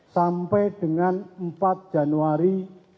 sampai dengan empat januari dua ribu sembilan belas